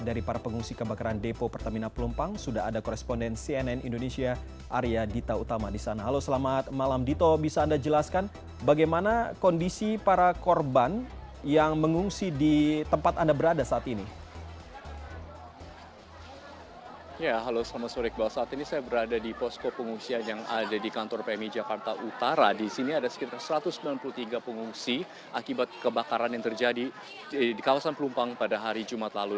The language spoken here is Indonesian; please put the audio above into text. di jakarta utara di sini ada sekitar satu ratus sembilan puluh tiga pengungsi akibat kebakaran yang terjadi di kawasan pelumpang pada hari jumat lalu